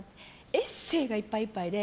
エッセーがいっぱいいっぱいで。